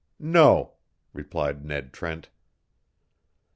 "No," replied Ned Trent.